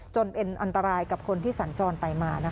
จนเป็นอันตรายกับคนที่สัญจรไปมา